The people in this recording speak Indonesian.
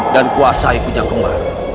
dan kuasai penyakitmu